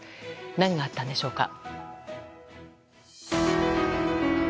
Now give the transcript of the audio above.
何があったんでしょうか。